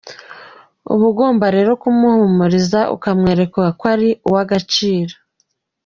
Uba ugomba rero kumuhumuriza ukamwereka ko ari uw’agaciro.